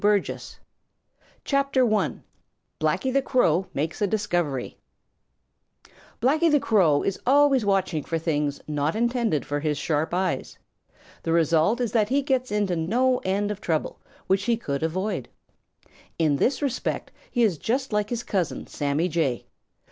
Burgess CHAPTER I: Blacky The Crow Makes A Discovery Blacky the Crow is always watching for things not intended for his sharp eyes. The result is that he gets into no end of trouble which he could avoid. In this respect he is just like his cousin, Sammy Jay.